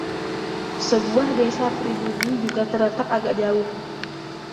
Sebuah desa pribumi juga terletak agak jauh.